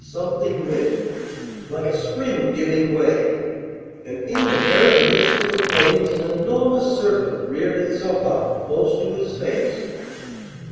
something went, like a spring giving way, and in the very midst of the flames an enormous serpent reared itself up close to his face.